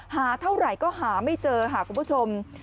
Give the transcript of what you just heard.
หาเท่าไหร่ก็หาไม่เจอค่ะคุณผู้ชม